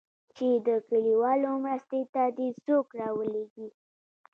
چې د كليوالو مرستې ته دې څوك راولېږي.